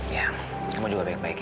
ya kamu juga baik baik ya